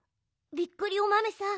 びっくりおまめさん